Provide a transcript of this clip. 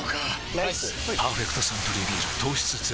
ライス「パーフェクトサントリービール糖質